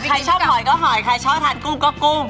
ใครชอบหอยก็หอยใครชอบทานกุ้งก็กุ้ง